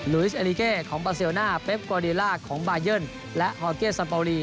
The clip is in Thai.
ลูอิสเอลิเกของปาเซลน่าเปปกวอริลล่าของบายันและฮอร์เกศ์สัมปวลี